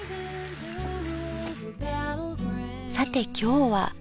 さて今日は。